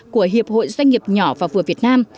của hiệp hội doanh nghiệp nhỏ và vừa việt nam